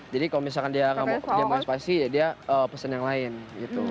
jadi kalau misalkan dia mau yang spicy ya dia pesen yang lain gitu